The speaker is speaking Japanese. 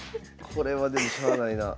これはでもしゃあないな。